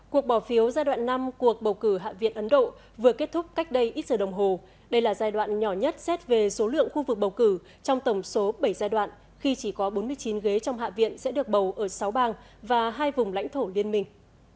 cuộc bỏ phiếu giai đoạn năm cuộc bầu cử hạ viện ấn độ vừa kết thúc cách đây ít giờ đồng hồ đây là giai đoạn nhỏ nhất xét về số lượng khu vực bầu cử trong tổng số bảy giai đoạn khi chỉ có bốn mươi chín ghế trong hạ viện sẽ được bầu ở sáu bang và hai vùng lãnh thổ liên minh